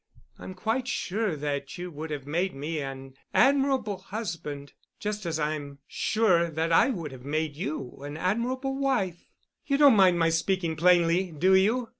I'm quite sure that you would have made me an admirable husband, just as I'm sure that I would have made you an admirable wife. You don't mind my speaking plainly, do you?